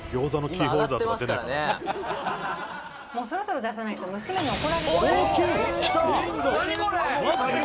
「もうそろそろ出さないと娘に怒られる」